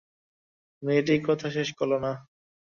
মেয়েটি কথা শেষ করল না।